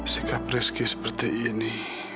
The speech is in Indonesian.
sikap rizky seperti ini